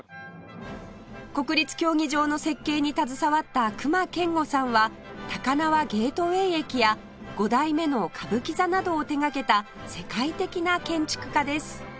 国立競技場の設計に携わった隈研吾さんは高輪ゲートウェイ駅や５代目の歌舞伎座などを手掛けた世界的な建築家です